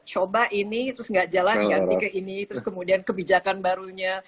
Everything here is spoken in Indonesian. coba ini terus nggak jalan ganti ke ini terus kemudian kebijakan barunya